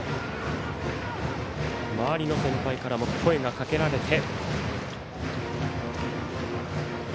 周りの先輩からも声がかけられて。